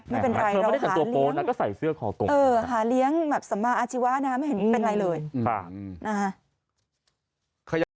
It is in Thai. ไม่เป็นไรเราหาเลี้ยงเออหาเลี้ยงสำมารถอาชีวะนะครับไม่เป็นไรเลยนะคะ